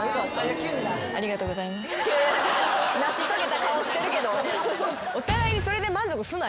・成し遂げた顔してるけど。